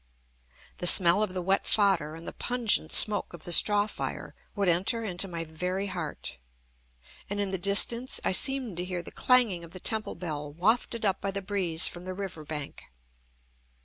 The smell of the wet fodder and the pungent smoke of the straw fire would enter into my very heart. And in the distance I seemed to hear the clanging of the temple bell wafted up by the breeze from the river bank.